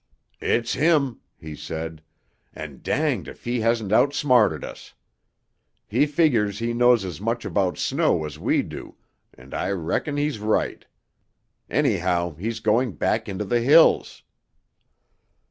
"It's him," he said, "and danged if he hasn't outsmarted us. He figures he knows as much about snow as we do, and I reckon he's right. Anyhow, he's going back into the hills."